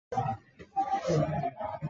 昂热人口变化图示